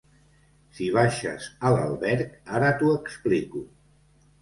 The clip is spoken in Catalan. Si baixes a l'alberg ara t'ho explico.